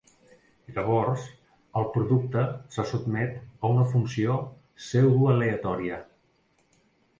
Llavors, el producte se sotmet a una funció pseudoaleatòria.